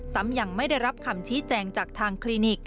ยังไม่ได้รับคำชี้แจงจากทางคลินิก